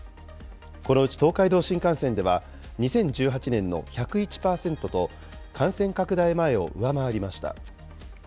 このうち東海道新幹線では、２０１８年の１０１％と、感染拡大前を上回りました。